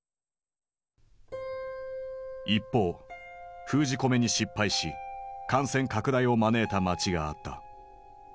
一方封じ込めに失敗し感染拡大を招いた街があった。